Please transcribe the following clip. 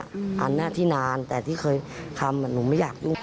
อันนี้ที่นานแต่ที่เคยทำหนูไม่อยากยุ่ง